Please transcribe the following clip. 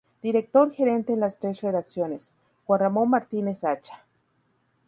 Director gerente en las tres redacciones: Juan Ramón Martínez-Acha.